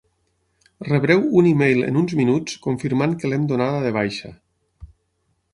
Rebreu un email en uns minuts confirmant que l'hem donada de baixa.